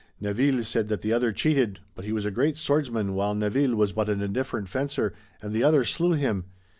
Neville said that the other cheated, but he was a great swordsman while Neville was but an indifferent fencer, and the other slew him.